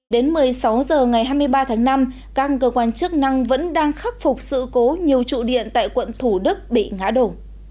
đến một mươi sáu h ngày hai mươi ba tháng năm các cơ quan chức năng vẫn đang khắc phục sự cố nhiều trụ điện tại quận thủ đức bị ngã đổ